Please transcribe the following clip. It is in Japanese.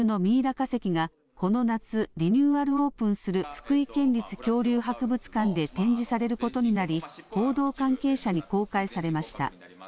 化石がこの夏、リニューアルオープンする福井県立恐竜博物館で展示されることになり、報道関係者に公開されました。